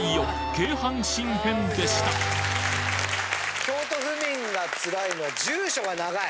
京阪神編でした京都府民がつらいのは住所が長い。